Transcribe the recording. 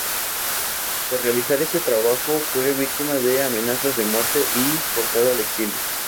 Por realizar este trabajo, fue víctima de amenazas de muerte y forzada al exilio.